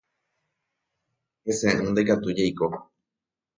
Heseʼỹ ndikatúi jaiko.